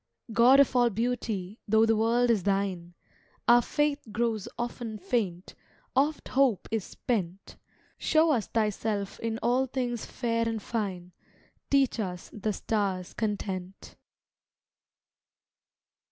God of all beauty, though the world is thine, Our faith grows often faint, oft hope is spent; Show us Thyself in all things fair and fine, Teach us the stars' content.